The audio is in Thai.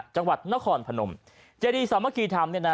จังหวัดนครพนมเจดีสามัคคีธรรมเนี่ยนะ